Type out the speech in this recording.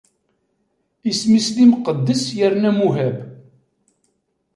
Isem-is d imqeddes yerna muhab.